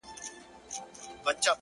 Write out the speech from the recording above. د ښایستونو خدایه سر ټيټول تاته نه وه’